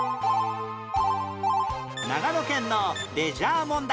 長野県のレジャー問題